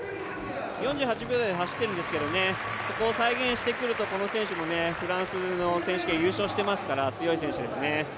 ４８秒台で走ってるんですがそこを再現してくるとこの選手もフランスの選手権優勝していますから強い選手ですね。